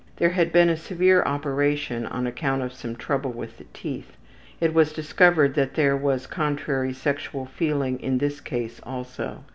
There had been a severe operation on account of some trouble with the teeth. It was discovered that there was contrary sexual feeling in this case also.